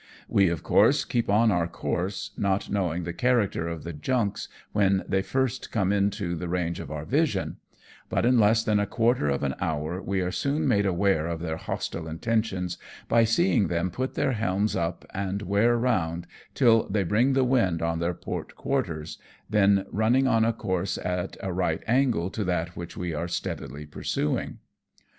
We of course keep on our course, not knowing the character of the junks when they first come into the range of our vision ; but in less than a quarter of an hour we are soon made aware of their hostile intentions by seeing them put their helms up and wear round till they bring the wind on their port quarters, then running on a course at a right angle to that which we are steadily pursuing. FROM NAGASAKI TO WOOSUNG.